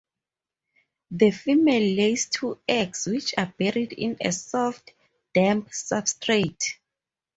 The female lays two eggs which are buried in a soft, damp substrate.